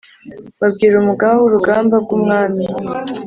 babwira umugaba wurugamba bwumwami